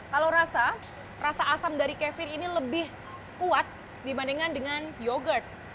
kalau rasa rasa asam dari kevin ini lebih kuat dibandingkan dengan yogurt